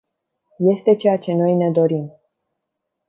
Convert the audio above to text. Este ceea ce noi ne dorim.